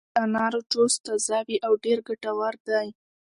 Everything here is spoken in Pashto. د انارو جوس تازه وي او ډېر ګټور دی.